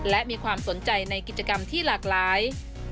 และมีความสนใจในกิจกรรมที่หลากหลาย